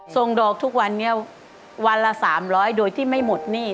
ส่งดอกทุกวันนี้วันละ๓๐๐โดยที่ไม่หมดหนี้